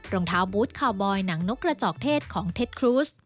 รองเท้าบูธคาวบอยหนังนกกระจอกเทศของเท็จครูส